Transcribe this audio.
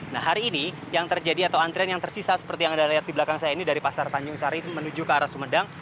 nah hari ini yang terjadi atau antrian yang tersisa seperti yang anda lihat di belakang saya ini dari pasar tanjung sari menuju ke arah sumedang